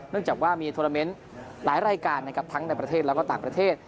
เนื่องจากว่ามีโทรเมนต์หลายรายการทั้งในประเทศและต่างประเทศ